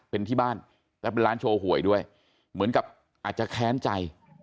เป็นร้านโชว์หวยด้วยเหมือนกับอาจจะแค้นใจ